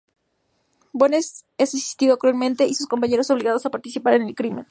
Bones es asesinado cruelmente y sus compañeros, obligados a participar en el crimen.